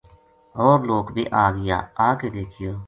ہور لوک بے آ گیا آ کے دیکھیو